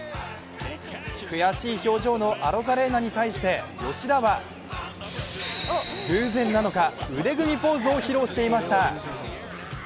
悔しい表情のアロザレーナに対して吉田は、偶然なのか腕組みポーズを披露していました。